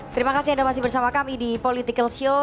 terima kasih anda masih bersama kami di political show